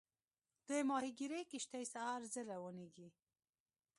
د ماهیګیري کښتۍ سهار زر روانېږي.